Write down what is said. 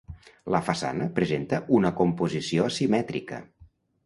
La façana presenta una composició asimètrica.